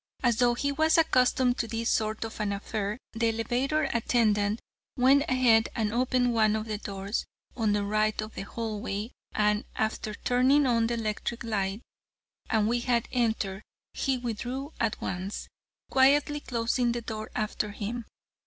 As though he was accustomed to this sort of an affair, the elevator attendant went ahead and opened one of the doors on the right of the hallway, and after turning on the electric light, and we had entered, he withdrew at once, quietly closing the door after him.